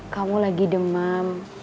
kamu lagi demam